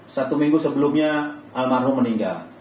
satu minggu sebelumnya almarhum meninggal